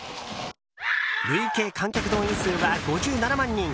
累計観客動員数は５７万人。